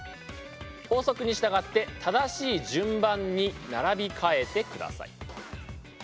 法則に従って正しい順番に並び替えてください。